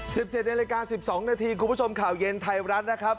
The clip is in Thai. สิบเจ็ดในละกา๑๒นาทีคุณผู้ชมข่าวเย็นไทยรัฐนะครับ